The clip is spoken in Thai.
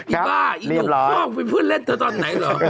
พี่บ้าไอ้หนูพ่อเป็นเพื่อนเล่นเธอตอนไหนเหรอ